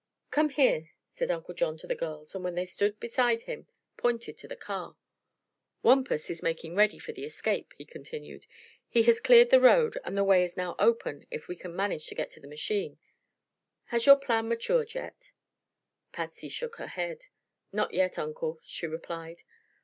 "Come here," said Uncle John to the girls, and when they stood beside him pointed to the car. "Wampus is making ready for the escape," he continued. "He has cleared the road and the way is now open if we can manage to get to the machine. Has your plan matured yet?" Patsy shook her head. "Not yet, Uncle," she replied.